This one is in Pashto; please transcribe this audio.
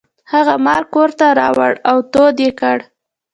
هغه مار کور ته راوړ او تود یې کړ.